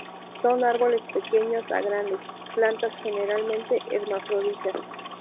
Son árboles pequeños a grandes; plantas generalmente hermafroditas.